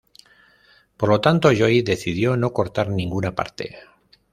Por lo tanto Lloyd decidió no cortar ninguna parte.